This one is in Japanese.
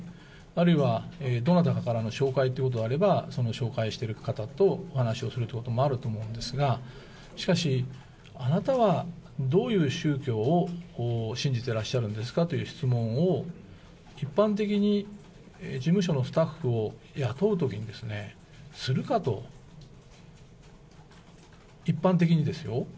あるいはどなたかからの紹介であれば、その紹介してる方とお話をするということもあると思うんですが、しかし、あなたはどういう宗教を信じてらっしゃるんですかという質問を、一般的に、事務所のスタッフを雇うときにですね、するかと、一般的にですよ。